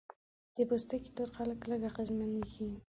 د پوستکي تور خلک لږ اغېزمنېږي.